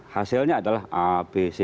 hasilnya adalah abc